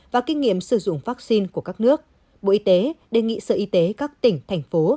và kinh nghiệm sử dụng vaccine của các nước bộ y tế đề nghị sở y tế các tỉnh thành phố